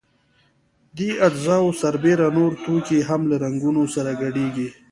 دې اجزاوو سربېره نور توکي هم له رنګونو سره ګډیږي.